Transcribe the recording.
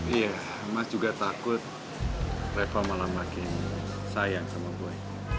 iya mas juga takut revo malah makin sayang sama gue